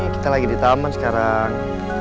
kita lagi di taman sekarang